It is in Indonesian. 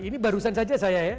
ini barusan saja saya ya